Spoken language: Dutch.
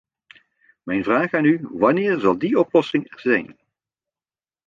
Mijn vraag aan u: wanneer zal die oplossing er zijn?